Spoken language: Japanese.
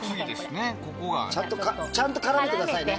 ちゃんと絡めてくださいね。